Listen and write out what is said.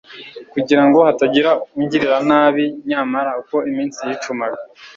kugira ngo hatagira ungirira nabi nyamara uko iminsi yicumaga